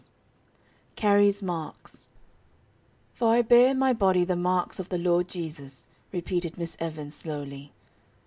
_"] CARRIE'S MARKS "For I bear in my body the marks of the Lord Jesus,'" repeated Miss Evans, slowly.